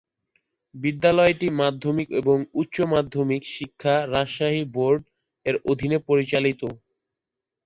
বিদ্যালয়টি মাধ্যমিক ও উচ্চ মাধ্যমিক শিক্ষা বোর্ড রাজশাহী এর অধীনে পরিচালিত।